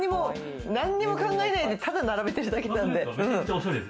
何にも考えなくてただ並べてるだけなんで。